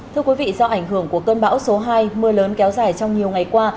thưa quý vị do ảnh hưởng của cơn bão số hai mưa lớn kéo dài trong nhiều ngày qua